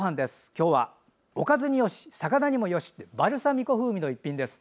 今日は、おかずによしさかなにもよしバルサミコ風味の一品です。